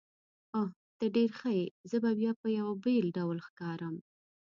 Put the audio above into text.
اوه، ته ډېر ښه یې، زه به بیا په یوه بېل ډول ښکارم.